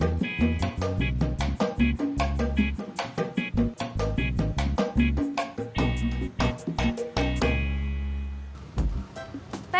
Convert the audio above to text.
pelerin sarawek untuk nanti dance